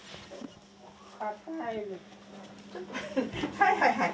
はいはいはい。